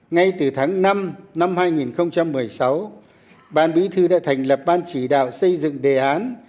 ngay từ tháng năm năm hai nghìn một mươi sáu ban bí thư đã thành lập ban chỉ đạo xây dựng đề án